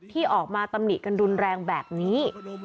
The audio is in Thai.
ที่ออกมาตำหนิกันรุนแรงแบบนี้